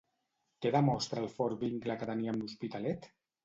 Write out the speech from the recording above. Què demostra el fort vincle que tenia amb l'Hospitalet?